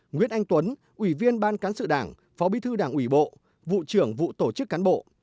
nguyễn anh tuấn ủy viên ban cán sự đảng phó bí thư đảng ủy bộ vụ trưởng vụ tổ chức cán bộ